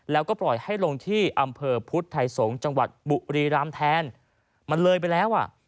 แล้วก็ปล่อยให้ลงที่อำเภอพุทธไทยสงศ์จังหวัดบุรีรำแทนมันเลยไปแล้วอ่ะ